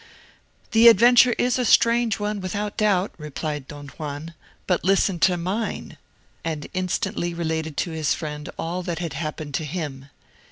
"The adventure is a strange one, without doubt," replied Don Juan, "but listen to mine;" and he instantly related to his friend all that had happened to him.